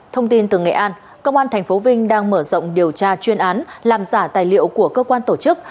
thông tin từ nghệ an công an tp vinh đang mở rộng điều tra chuyên án làm giả tài liệu của cơ quan tổ chức